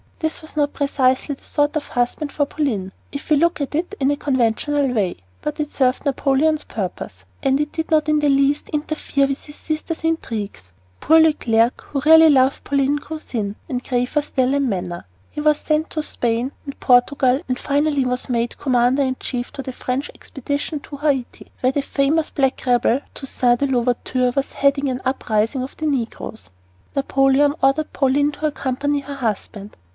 This was not precisely the sort of husband for Pauline, if we look at it in the conventional way; but it served Napoleon's purpose and did not in the least interfere with his sister's intrigues. Poor Leclerc, who really loved Pauline, grew thin, and graver still in manner. He was sent to Spain and Portugal, and finally was made commander in chief of the French expedition to Haiti, where the famous black rebel, Toussaint l'Ouverture, was heading an uprising of the negroes. Napoleon ordered Pauline to accompany her husband.